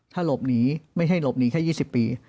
ถ้าหลบหนีไม่ให้หลบหนีแค่๒๐ปี